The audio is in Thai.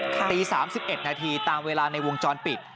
ตี๓๑นาทีตามเวลาในวงจรปิด